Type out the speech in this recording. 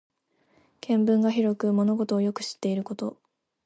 見聞が広く物事をよく知っていること。